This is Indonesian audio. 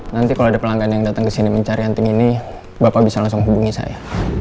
nanti kalau ada pelanggan yang datang ke sini mencari anting ini bapak bisa langsung hubungi saya